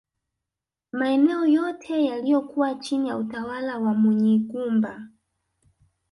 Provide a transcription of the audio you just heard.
Maeneo yote yaliyokuwa chini ya utawala wa Munyigumba